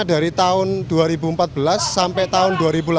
dari tahun dua ribu empat belas sampai tahun dua ribu delapan belas